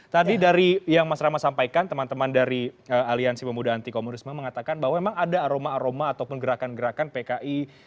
tadi dari yang mas rama sampaikan teman teman dari aliansi pemuda anti komunisme mengatakan bahwa memang ada aroma aroma ataupun gerakan gerakan pki